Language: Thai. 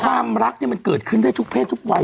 ความรักมันเกิดขึ้นได้ทุกเพศทุกวัย